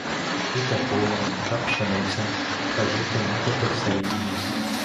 І те поле, та пшениця та жито нібито все її.